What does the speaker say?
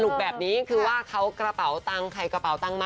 สนุกแบบนี้คือว่าเขากระเบิกตั้งใครกระเบิกตั้งมัน